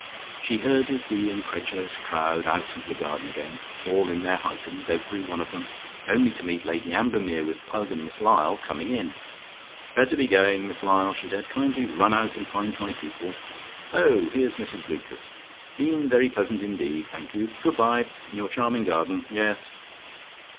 She herded the incredulous crowd out into the garden again, all in their Hightums, every one of them, only to meet Lady Ambermere with Pug and Miss Lyall coming in. "Better be going, Miss Lyall," she said. "Kindly run out and find my people. Oh, here's Mrs Lucas. Been very pleasant indeed, thank you, good bye. Your charming garden. Yes."